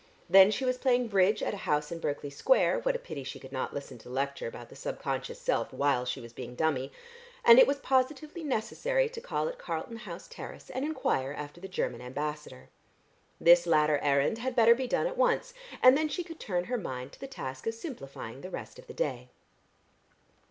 Then she was playing bridge at a house in Berkeley Square what a pity she could not listen to the lecture about the sub conscious self while she was being dummy and it was positively necessary to call at Carlton House Terrace and enquire after the German Ambassador. This latter errand had better be done at once, and then she could turn her mind to the task of simplifying the rest of the day.